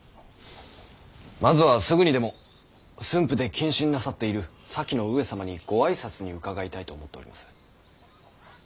まずはすぐにでも駿府で謹慎なさっている先の上様にご挨拶に伺いたいと思っております。